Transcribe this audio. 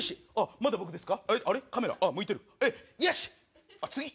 まだ僕ですか？